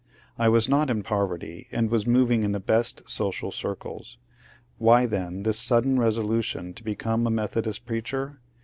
I was not in poverty and was moving in the best social circles. Why then this sudden resolution to become a Methodist preacher